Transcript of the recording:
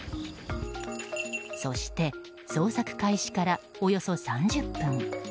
そして捜索開始からおよそ３０分。